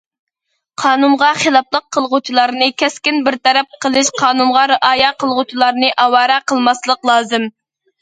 قانۇنغا خىلاپلىق قىلغۇچىلارنى كەسكىن بىر تەرەپ قىلىش، قانۇنغا رىئايە قىلغۇچىلارنى ئاۋارە قىلماسلىق لازىم.